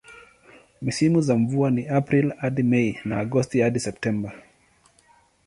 Misimu za mvua ni Aprili hadi Mei na Agosti hadi Septemba.